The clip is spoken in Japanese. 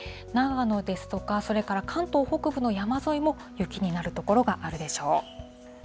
長野ですとか、それから関東北部の山沿いも雪になる所があるでしょう。